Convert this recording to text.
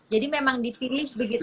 jadi memang dipilih begitu ya